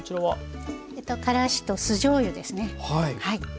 はい。